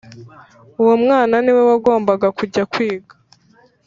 uwo mwana niwe wagombaga kujya kwiga.